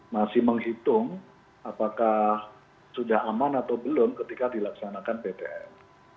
masih menghitung apakah sudah aman atau belum ketika dilaksanakan ptm